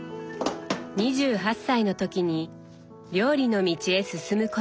２８歳の時に料理の道へ進むことを決意。